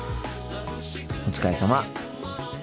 お疲れさま。